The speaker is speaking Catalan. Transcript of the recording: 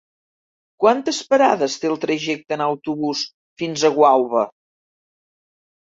Quantes parades té el trajecte en autobús fins a Gualba?